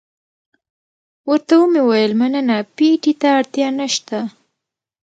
ورته ومې ویل مننه، پېټي ته اړتیا نشته.